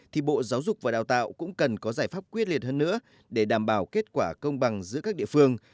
thì bộ giáo dục và đào tạo cũng cần có giải pháp quyết liệt hơn nữa để đảm bảo kết quả công bằng giữa các địa phương